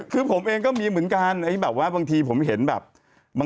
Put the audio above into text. คือผมเองก็มีเหมือนกันบางทีผมเห็นแบบ